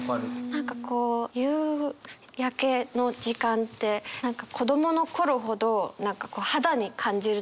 何かこう夕焼けの時間って何か子どもの頃ほど何かこう肌に感じるというか。